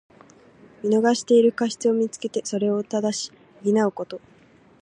見逃している過失をみつけて、それを正し補うこと。